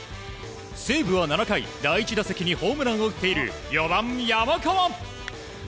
西武は７回、第１打席にホームランを打っている４番、山川。